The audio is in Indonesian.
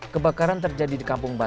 kebakaran terjadi di kampung babak